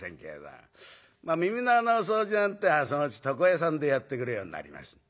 まあ耳の穴の掃除なんてそのうち床屋さんでやってくれるようになります。